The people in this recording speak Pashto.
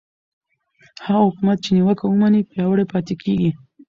هغه حکومت چې نیوکه ومني پیاوړی پاتې کېږي